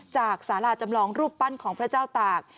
สาราจำลองรูปปั้นของพระเจ้าตาก